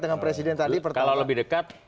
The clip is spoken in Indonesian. dengan presiden tadi pertama lebih dekat